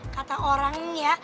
kata orang ya